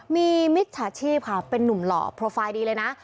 มีมิจฉาชีพค่ะเป็นนุ่มหล่อโปรไฟล์ดีเลยนะ